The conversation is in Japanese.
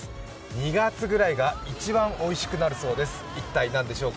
２月ぐらいが一番おいしくなるそうです、一体何でしょうか。